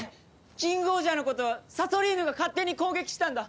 キングオージャーのことはサソリーヌが勝手に攻撃したんだ。